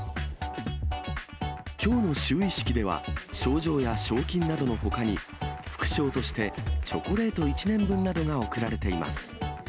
きょうの就位式では、賞状や賞金などのほかに、副賞としてチョコレート１年分などが贈られています。